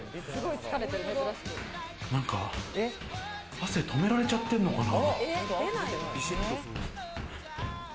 なんか汗止められちゃってんのかな。